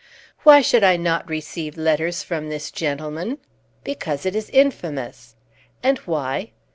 "Why should I not receive letters from this gentleman?" "Because it is infamous." "And why?"